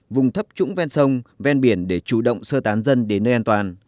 vùng thấp trũng ven sông ven biển để chủ động sơ tán dân đến nơi an toàn